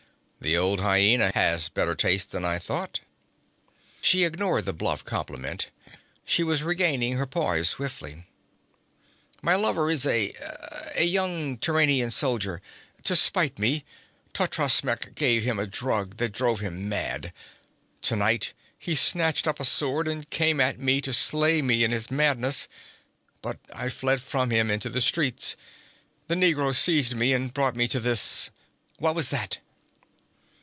'The old hyena has better taste than I thought.' She ignored the bluff compliment. She was regaining her poise swiftly. 'My lover is a a young Turanian soldier. To spite me, Totrasmek gave him a drug that drove him mad. Tonight he snatched up a sword and came at me to slay me in his madness, but I fled from him into the streets. The negroes seized me and brought me to this _what was that?